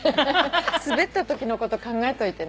スベったときのこと考えといてね。